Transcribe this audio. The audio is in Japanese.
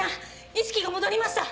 意識が戻りました！